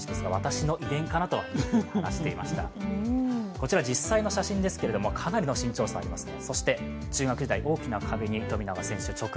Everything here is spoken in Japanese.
こちら実際の写真ですけれども、かなりの身長差ありますね。